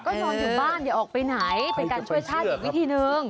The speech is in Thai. ก็นอนอยู่บ้านอย่าออกไปไหนเป็นการช่วยชาติอีกวิธีนึง